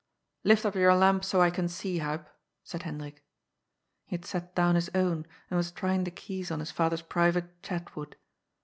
"Lift up your lamp, so I can see, Huib," said Hen drik. He had set down his own and was trying the keys on his father's private " Chatwood."